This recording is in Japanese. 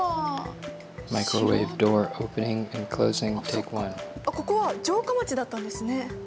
そっかここは城下町だったんですね。